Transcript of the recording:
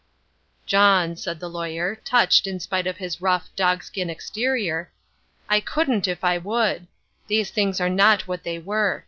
"John," said the lawyer, touched in spite of his rough (dogskin) exterior, "I couldn't, if I would. These things are not what they were.